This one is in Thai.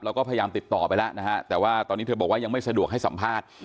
เราก็พยายามติดต่อไปแล้วนะฮะแต่ว่าตอนนี้เธอบอกว่ายังไม่สะดวกให้สัมภาษณ์